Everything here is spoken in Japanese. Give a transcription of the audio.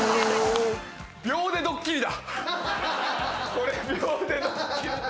これ秒でドッキリだ。